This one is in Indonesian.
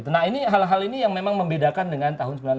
nah hal hal ini memang membedakan dengan tahun sembilan puluh delapan